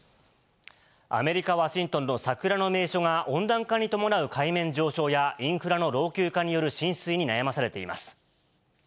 アメリカ・ワシントンの桜の名所が、温暖化に伴う海面上昇や、インフラの老朽化による浸水に悩まされています。